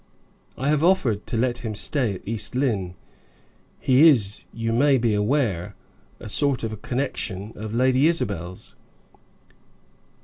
I have offered to let him stay at East Lynne. He is, you may be aware, a sort of connection of Lady Isabel's."